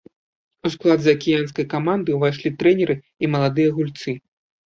У склад заакіянскай каманды ўвайшлі трэнеры і маладыя гульцы.